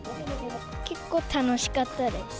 結構楽しかったです。